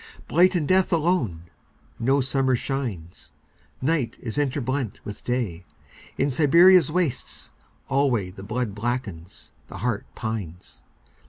Blight and death alone.No summer shines. Night is interblent with Day.In Siberia's wastes alwayThe blood blackens, the heart pines.